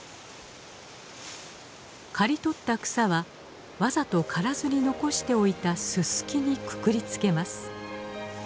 刈り取った草はわざと刈らずに残しておいたススキにくくりつけます。